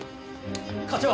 課長！